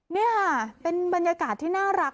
นี่ค่ะเป็นบรรยากาศที่น่ารัก